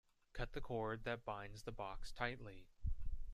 Cut the cord that binds the box tightly.